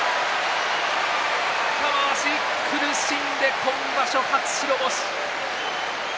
玉鷲、苦しんで今場所初白星。